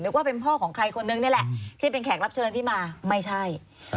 ว่าเป็นพ่อของใครคนนึงนี่แหละที่เป็นแขกรับเชิญที่มาไม่ใช่